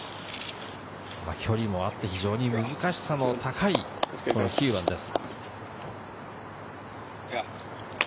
距離もあって、難しさも高い、この９番です。